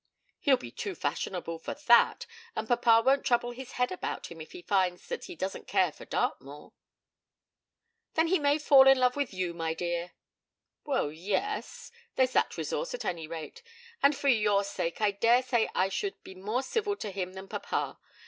'He'll be too fashionable for that, and papa won't trouble his head about him if he finds that he doesn't care for Dartmoor.' 'Then he may fall in love with you, my dear.' 'Well, yes; there's that resource at any rate, and for your sake I dare say I should be more civil to him than papa.